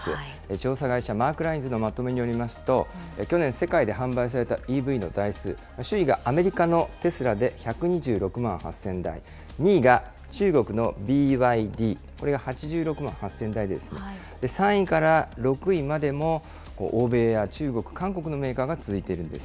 調査会社、マークラインズのまとめによりますと、去年、世界で販売されたＥＶの台数、首位がアメリカのテスラで１２６万８０００台、２位が中国のＢＹＤ、これが８６万８０００台で、３位から６位までも欧米や中国、韓国のメーカーが続いているんです。